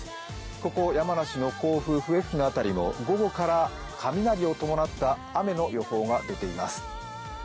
ここ山梨の甲府、笛吹の辺りは雷を伴った雨の予報が出ています。